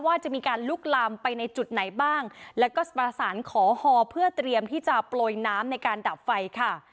ว่าจะมีการลุกลามไปในจุดไหนบ้างแล้วก็ประสานขอฮอเพื่อเตรียมที่จะโปรยน้ำในการดับไฟค่ะ